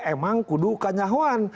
emang kudu kan nyahuan